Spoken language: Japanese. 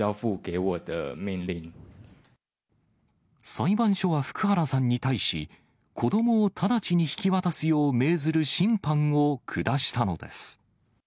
裁判所は福原さんに対し、子どもを直ちに引き渡すよう命ずる審判を下したのです。